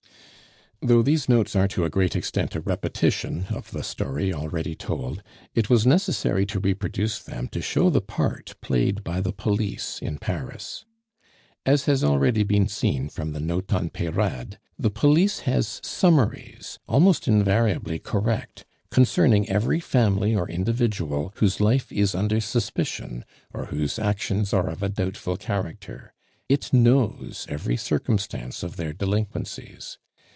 Though these notes are to a great extent a repetition of the story already told, it was necessary to reproduce them to show the part played by the police in Paris. As has already been seen from the note on Peyrade, the police has summaries, almost invariably correct, concerning every family or individual whose life is under suspicion, or whose actions are of a doubtful character. It knows every circumstance of their delinquencies.